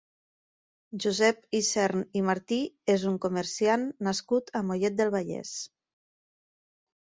Josep Isern i Martí és un comerciant nascut a Mollet del Vallès.